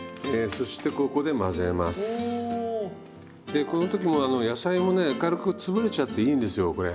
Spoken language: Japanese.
でこの時も野菜もね軽く潰れちゃっていいんですよこれ。